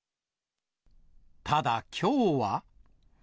ただ、きょうは。